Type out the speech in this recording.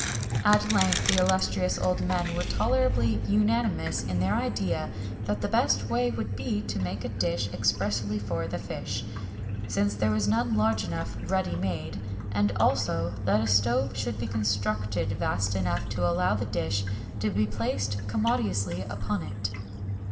At length the illustrious old men were tolerably unanimous in their idea that the best way would be to make a dish expressly for the fish since there was none large enough ready made and also that a stove should be constructed vast enough to allow the dish to be placed commodiously upon it.